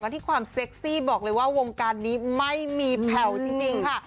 ที่ความเซ็กซี่บอกเลยว่าวงการนี้ไม่มีแผ่วจริงค่ะ